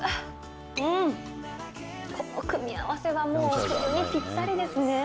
うん、この組み合わせはもう冬にぴったりですね。